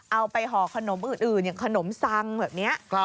ห่อขนมอื่นอย่างขนมซังแบบนี้